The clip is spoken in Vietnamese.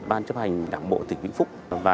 ban chấp hành đảng bộ tỉnh vĩnh phúc và